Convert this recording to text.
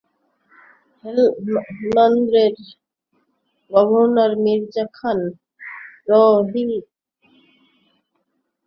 হেলমান্দের governor Mirza Khan Rahimi দাবি করেছেন, শহরটি সরকারের নিয়ন্ত্রণে আছে।